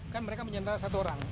kan mereka menyanta satu orang